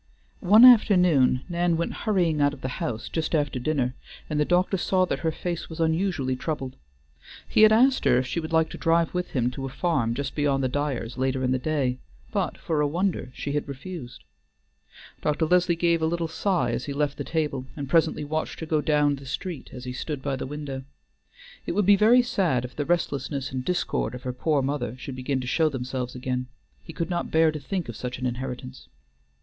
One afternoon Nan went hurrying out of the house just after dinner, and the doctor saw that her face was unusually troubled. He had asked her if she would like to drive with him to a farm just beyond the Dyers' later in the day, but for a wonder she had refused. Dr. Leslie gave a little sigh as he left the table, and presently watched her go down the street as he stood by the window. It would be very sad if the restlessness and discord of her poor mother should begin to show themselves again; he could not bear to think of such an inheritance.